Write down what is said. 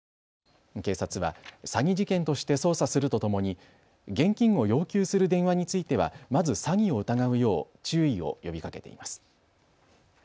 警察は詐欺事件として捜査するとともに現金を要求する電話についてはまず詐欺を疑うよう注意を呼びかけています。